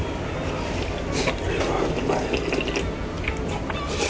これはうまい。